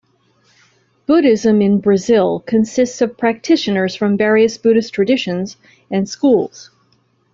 Buddhism in Brazil consists of practitioners from various Buddhist traditions and schools.